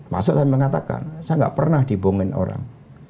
mas tok menjawab saya tidak pernah dibohong orang